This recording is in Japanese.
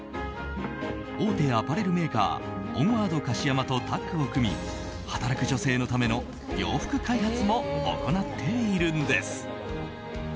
大手アパレルメーカーオンワード樫山とタッグを組み働く女性のための洋服開発も行っているんです。